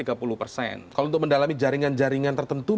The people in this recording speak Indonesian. kalau untuk mendalami jaringan jaringan tertentu